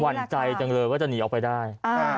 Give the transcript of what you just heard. หั่นใจจังเลยว่าจะหนีออกไปได้